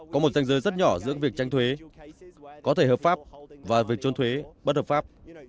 có một danh giới rất nhỏ giữa việc tranh thuế có thể hợp pháp và việc trôn thuế bất hợp pháp